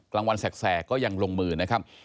กลางวันแสกก็ยังลงมือนะครับ